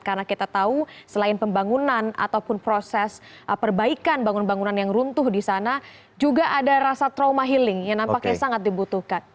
karena kita tahu selain pembangunan ataupun proses perbaikan bangun bangunan yang runtuh di sana juga ada rasa trauma healing yang nampaknya sangat dibutuhkan